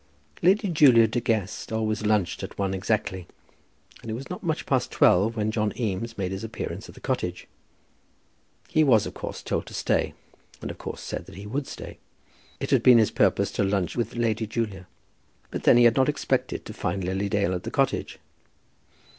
Lady Julia De Guest always lunched at one exactly, and it was not much past twelve when John Eames made his appearance at the cottage. He was of course told to stay, and of course said that he would stay. It had been his purpose to lunch with Lady Julia; but then he had not expected to find Lily Dale at the cottage.